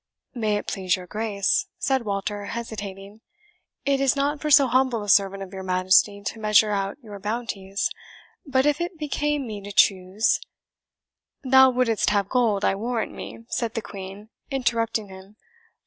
"May it please your Grace," said Walter, hesitating, "it is not for so humble a servant of your Majesty to measure out your bounties; but if it became me to choose " "Thou wouldst have gold, I warrant me," said the Queen, interrupting him.